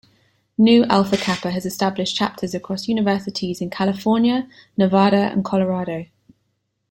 Nu Alpha Kappa has established chapters across universities in California, Nevada and Colorado.